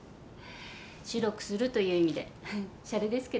白くするという意味でシャレですけど。